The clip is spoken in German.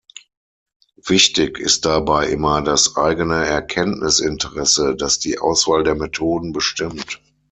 Wichtig ist dabei immer das eigene Erkenntnisinteresse, das die Auswahl der Methoden bestimmt.